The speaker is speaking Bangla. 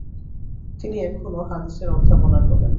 তিনি এখানে হাদিসের অধ্যাপনা করেন।